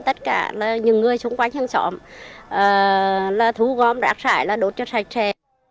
tất cả những người xung quanh hương xóm là thu gom rác rải là đốt cho sạch rè